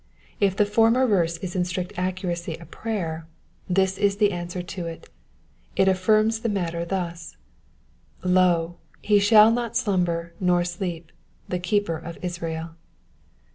If the former verse is in strict accuracy a prayer, this is the answer to it ; it affirms the matter thus, Lo, he shall not slumher nor sleep — the Keeper of Israel."